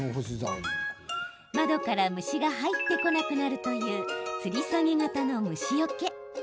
窓から虫が入ってこなくなるという、つり下げ型の虫よけ。